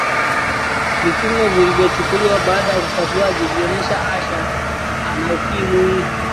vipimo vilivyochukuliwa baada ya upasuaji vilionesha ashe ana ukimwi